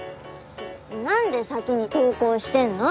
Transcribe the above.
何で先に登校してんの？